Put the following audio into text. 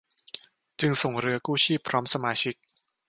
จึงส่งเรือกู้ชีพพร้อมสมาชิก